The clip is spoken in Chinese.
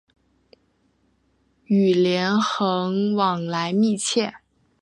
与连横往来密切。